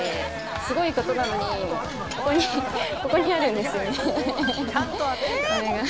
すごいことなのに、ここにあるんですよ。